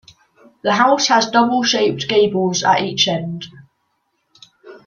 The house has double shaped gables at each end.